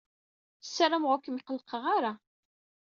Ssarameɣ ur kem-qellqeɣ ara.